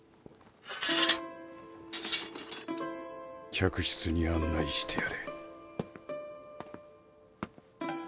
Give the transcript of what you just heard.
客室に案内してやれ。